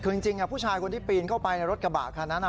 คือจริงผู้ชายคนที่ปีนเข้าไปในรถกระบะคันนั้น